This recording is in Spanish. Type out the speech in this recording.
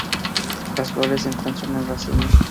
Las flores se encuentran en racimos.